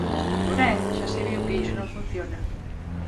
Porén, xa se viu que iso non funciona.